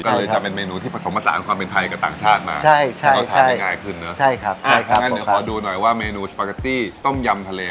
จะเป็นเมนูที่ผสมลักษณะความเป็นใครกับต่างชาติมา